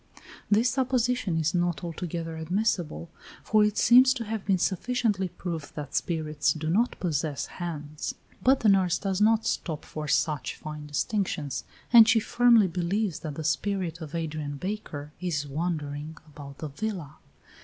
This supposition is not altogether admissible, for it seems to have been sufficiently proved that spirits do not possess hands. But the nurse does not stop for such fine distinctions, and she firmly believes that the spirit of Adrian Baker is wandering about the villa.